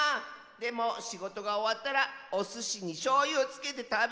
でもしごとがおわったらおすしにしょうゆをつけてたべるんだ！